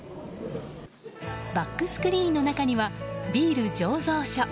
バックスクリーンの中にはビール醸造所。